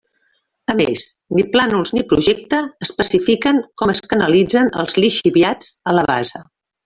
A més, ni plànols ni Projecte especifiquen com es canalitzen els lixiviats a la bassa.